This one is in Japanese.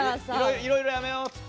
いろいろやめようって。